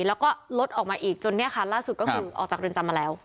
แล้วก็ลดออกมาอีกจนเนี่ยค่ะล่าสุดก็คือออกจากเรือนจำมาแล้ว